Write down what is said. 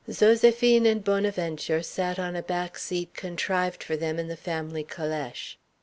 Zoséphine and Bonaventure sat on a back seat contrived for them in the family calèche.